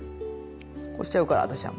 こうしちゃうから私は。